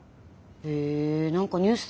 へえ何かニュースで見たかも。